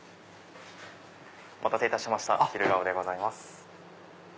お待たせいたしました昼顔でございます。